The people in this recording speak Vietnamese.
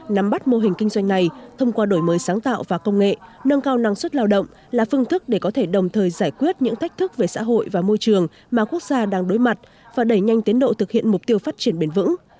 nắm bắt mô hình kinh doanh này thông qua đổi mới sáng tạo và công nghệ nâng cao năng suất lao động là phương thức để có thể đồng thời giải quyết những thách thức về xã hội và môi trường mà quốc gia đang đối mặt và đẩy nhanh tiến độ thực hiện mục tiêu phát triển bền vững